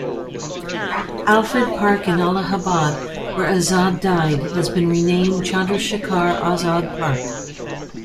Alfred Park in Allahabad, where Azad died, has been renamed Chandrashekhar Azad Park.